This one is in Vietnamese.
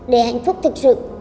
để hạnh phúc thực sự